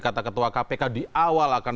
kata ketua kpk di awal akan